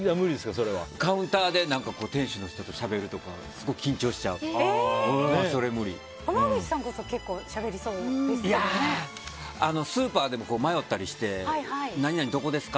カウンターで店主の人としゃべるとか濱口さんこそスーパーでも迷ったりして何々どこですか？